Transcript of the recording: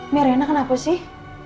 biarin rena kenapa sih